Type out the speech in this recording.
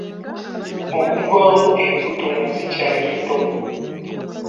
Okuvaamu embuto nga zikyali nto?